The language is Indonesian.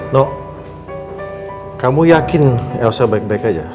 nok kamu yakin elsa baik baik aja